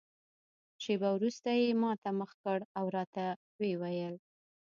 شېبه وروسته یې ما ته مخ کړ او راته ویې ویل.